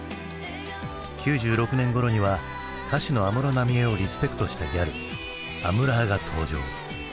９６年ごろには歌手の安室奈美恵をリスペクトしたギャルアムラーが登場。